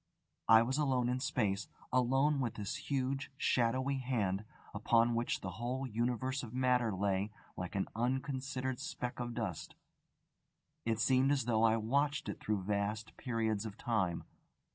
_ I was alone in space, alone with this huge, shadowy Hand, upon which the whole Universe of Matter lay like an unconsidered speck of dust. It seemed as though I watched it through vast periods of time.